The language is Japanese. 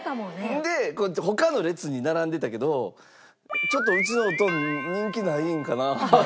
それで他の列に並んでたけど「ちょっとうちのオトン人気ないんかな」。